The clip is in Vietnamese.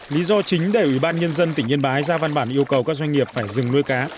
lý do chính để ủy ban nhân dân tỉnh yên bái ra văn bản yêu cầu các doanh nghiệp phải dừng nuôi cá